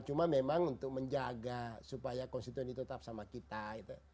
cuma memang untuk menjaga supaya konstituen itu tetap sama kita gitu